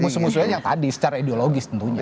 musuh musuhnya yang tadi secara ideologis tentunya